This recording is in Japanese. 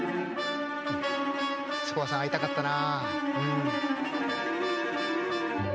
スコアさん会いたかったな。